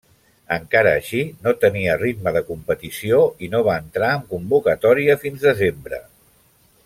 Encara així no tenia ritme de competició i no va entrar en convocatòries fins desembre.